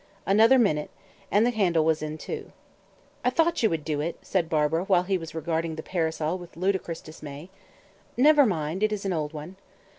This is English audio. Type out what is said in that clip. Another minute, and the handle was in two. "I thought you would do it," said Barbara, while he was regarding the parasol with ludicrous dismay. "Never mind, it is an old one."